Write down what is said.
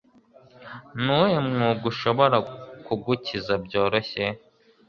Ni uwuhe mwuga ushobora kugukiza byoroshye?